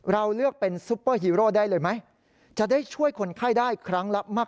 เราเลือกเป็นซุปเปอร์ฮีโร่ได้เลยไหมจะได้ช่วยคนไข้ได้ครั้งละมาก